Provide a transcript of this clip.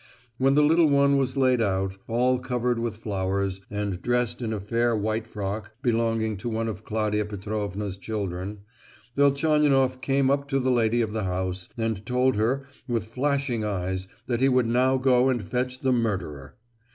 When the little one was laid out, all covered with flowers, and dressed in a fair white frock belonging to one of Claudia Petrovna's children, Velchaninoff came up to the lady of the house, and told her with flashing eyes that he would now go and fetch the murderer.